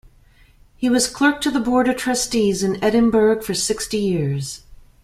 He was clerk to the Board of Trustees in Edinburgh for sixty years.